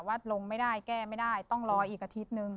ว่าลงไม่ได้แก้ไม่ได้ต้องรออีกอาทิตย์นึง